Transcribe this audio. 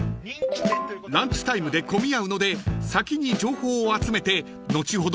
［ランチタイムで混み合うので先に情報を集めて後ほど